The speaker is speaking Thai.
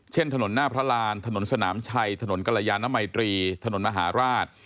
ถนนหน้าพระรานถนนสนามชัยถนนกรยานมัยตรีถนนมหาราช